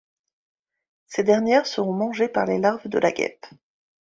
Ces dernières seront mangées par les larves de la guêpe.